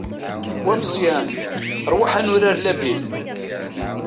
Wa Meẓyan, ṛwaḥ ad nurar labil!